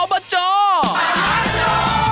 สวัสดีค่ะ